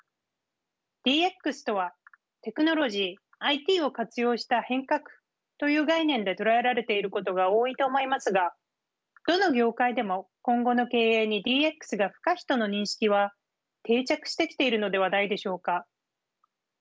ＤＸとはテクノロジーＩＴを活用した変革という概念で捉えられていることが多いと思いますがどの業界でも今後の経営にＤＸが不可避との認識は定着してきているのではないでしょうか。